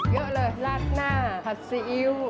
เยอะเลยราดหน้าผัดซีอิ๊ว